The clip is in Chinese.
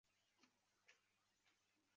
常栖息在潮间带至潮下带。